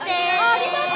ありがと！